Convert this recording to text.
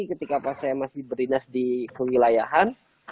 ketika saya masih berinas di kewilayahan